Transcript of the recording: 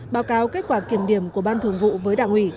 báo cáo kết quả kiểm điểm của ban thường vụ với đảng ủy